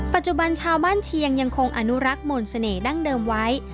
ปัจจุบันชาวบ้านเชียงยังคงอนุรักษ์มนต์เสน่หัดั้งเดิมไว้